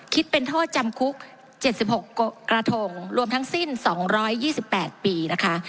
คิดเป็นโทษจำคุก๗๖กระทงรวมทั้งสิ้น๒๒๘ปีนะคะ